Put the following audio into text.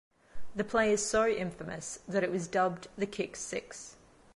The play is so infamous that it was dubbed the "Kick Six".